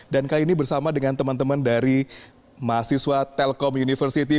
dan kali ini bersama dengan teman teman dari mahasiswa telkom universiti